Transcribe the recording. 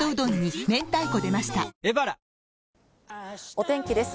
お天気です。